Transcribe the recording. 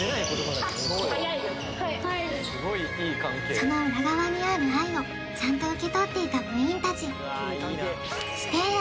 その裏側にある愛をちゃんと受け取っていた部員たち師弟愛